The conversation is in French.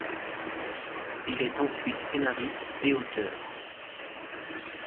Il est ensuite scénariste et auteur.